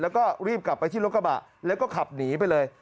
แล้วก็รีบกลับไปที่รถกระบะแล้วก็ขับหนีไปเลย